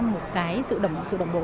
một cái sự đồng bộ